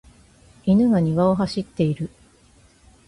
犬が庭を走っている。